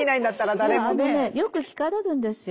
あのねよく聞かれるんですよ。